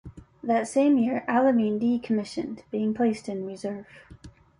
That same year, "Alamein" decommissioned, being placed in Reserve.